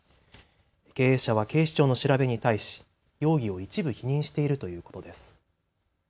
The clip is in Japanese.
経営者は警視庁の調べに対し容疑を一部否認しているということです。